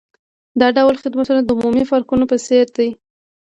دا ډول خدمتونه د عمومي پارکونو په څیر دي